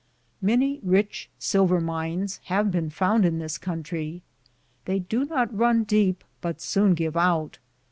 Many rich silver mines have been found in this country. They do not run deep, but soon give out.